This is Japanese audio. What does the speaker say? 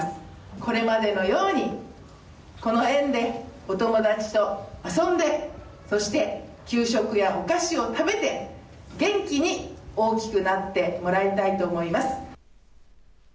これまでのようにこの園で、お友達と遊んで、そして給食やお菓子を食べて元気に大きくなってもらいたいと思います。